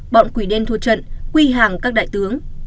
bọn quỷ đen thu trận quy hàng các đại tướng